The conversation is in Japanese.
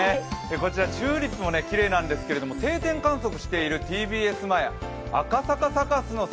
こちらチューリップもきれいなんですけど、定点観測しているＴＢＳ前、赤坂サカスの桜